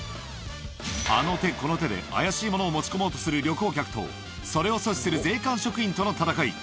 あの手この手で怪しいものを持ち込もうとする旅行客と、それを阻止する税関職員との戦い。